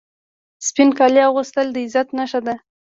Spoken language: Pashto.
سپین کالي اغوستل د عزت نښه ده.